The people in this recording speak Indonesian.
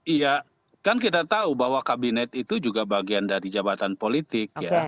iya kan kita tahu bahwa kabinet itu juga bagian dari jabatan politik ya